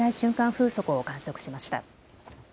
風速を観測しました。